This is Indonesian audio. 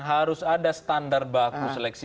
harus ada standar baku seleksi